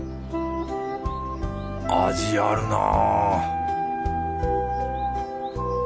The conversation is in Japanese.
味あるなぁ